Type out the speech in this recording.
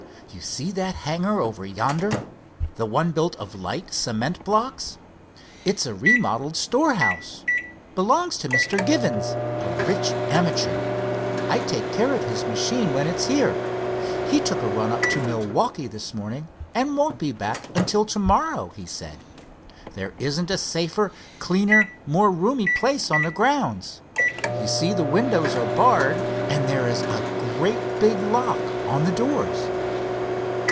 You see that hangar over yonder—the one built of light cement blocks? It's a remodeled storehouse. Belongs to Mr. Givins, a rich amateur. I take care of his machine when it's here. He took a run up to Milwaukee this morning, and won't be back until to morrow, he said. There isn't a safer, cleaner, more roomy place on the grounds. You see the windows are barred and there is a great big lock on the doors."